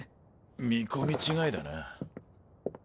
見込み違いだな。